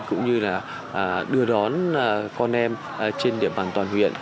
cũng như là đưa đón con em trên địa bàn toàn huyện